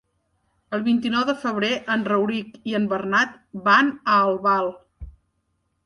El vint-i-nou de febrer en Rauric i en Bernat van a Albal.